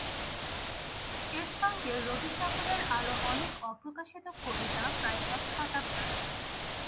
এর সঙ্গে রবি ঠাকুরের আরো অনেক অপ্রকাশিত কবিতা, প্রায় এক খাতা ভরা।